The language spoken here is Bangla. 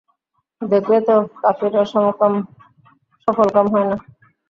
দেখলে তো কাফিররা সফলকাম হয় না।